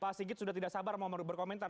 pak sigit sudah tidak sabar mau berkomentar